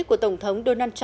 của tổng thống donald trump